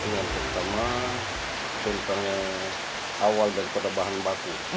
yang pertama contohnya awal daripada bahan baku